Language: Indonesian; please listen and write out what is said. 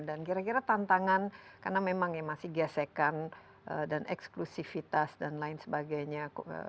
dan kira kira tantangan karena memang masih gesekan dan eksklusifitas dan lain sebagainya